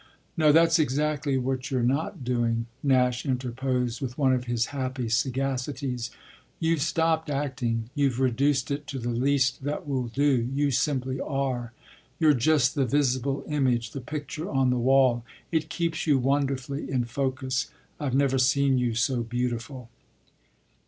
"No, that's exactly what you're not doing," Nash interposed with one of his happy sagacities. "You've stopped acting, you've reduced it to the least that will do, you simply are you're just the visible image, the picture on the wall. It keeps you wonderfully in focus. I've never seen you so beautiful."